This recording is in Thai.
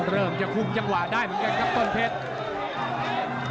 เริ่มจะคุมจังหวะได้เหมือนกันครับต้นเพชร